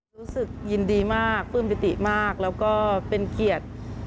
รู้สึกยินดีมากปลื้มปิติมากแล้วก็เป็นเกียรติ